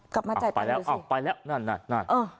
ออกไปแล้วออกไปแล้วนั่นนั่น